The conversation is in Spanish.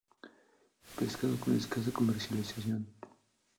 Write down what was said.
Pescado con escasa comercialización.